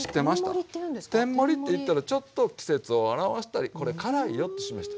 天盛りっていったらちょっと季節を表したりこれ辛いよってしました。